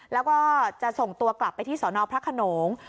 แล้วก็จะส่งตัวกลับไปที่สนพระขนง